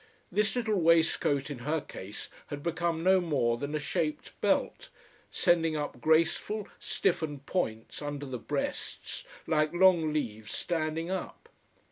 This little waistcoat in her case had become no more than a shaped belt, sending up graceful, stiffened points under the breasts, like long leaves standing up.